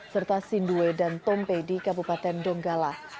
serta sindue dan tompe di kabupaten donggala